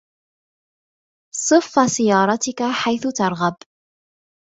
صف سيارتك حيث ترغب.